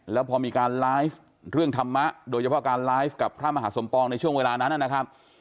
แล้วพอมีการไลฟ์เรื่องธรรมะโดยเฉพาะการไลฟ์กับพระมหาสมปองในช่วงเวลานั้นนะครับ